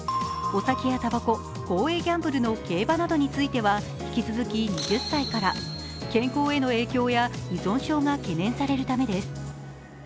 お酒やたばこ、公営ギャンブルの競馬などについては引き続き２０歳から、健康への影響や依存症が懸念されるためです。